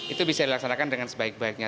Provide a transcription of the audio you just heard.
itu bisa dilaksanakan dengan sebaik baiknya